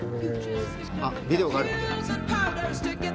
あっビデオがあるって。